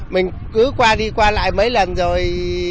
mình cứ qua đi qua lại mấy lần rồi